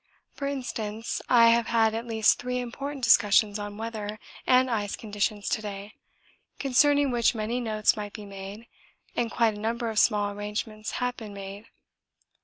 For instance I have had at least three important discussions on weather and ice conditions to day, concerning which many notes might be made, and quite a number of small arrangements have been made.